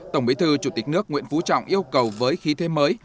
tổng bí thư chủ tịch nước nguyễn phú trọng yêu cầu với khí thế mới